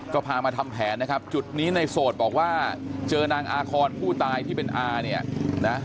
ก็พามาทำแผนนะครับจุดนี้ในโสดบอกว่าเจอนางอาคอนผู้ตายที่เป็นอาเนี่ยนะ